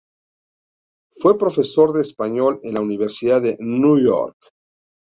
Fue profesor de español en la Universidad de Nueva York.